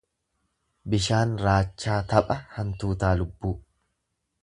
Bishaan raachaa taphaa hantuutaa lubbuu.